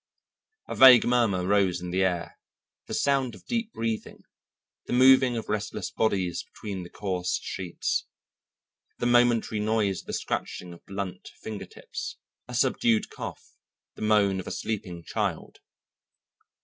A vague murmur rose in the air, the sound of deep breathing, the moving of restless bodies between the coarse sheets, the momentary noise of the scratching of blunt finger tips, a subdued cough, the moan of a sleeping child.